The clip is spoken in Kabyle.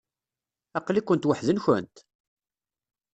Aql-ikent weḥd-nkent?